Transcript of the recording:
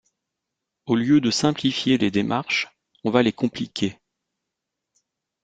Au lieu de simplifier les démarches, on va les compliquer.